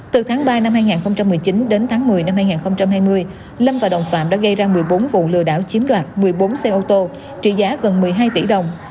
từ tháng ba năm hai nghìn một mươi chín đến tháng một mươi năm hai nghìn hai mươi lâm và đồng phạm đã gây ra một mươi bốn vụ lừa đảo chiếm đoạt một mươi bốn xe ô tô trị giá gần một mươi hai tỷ đồng